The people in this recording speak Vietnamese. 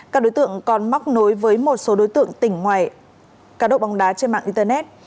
các đối tượng còn móc nối với một số đối tượng tỉnh ngoài cá độ bóng đá trên mạng internet